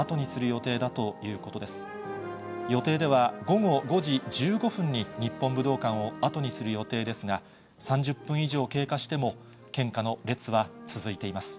予定では午後５時１５分に日本武道館を後にする予定ですが、３０分以上経過しても、献花の列は続いています。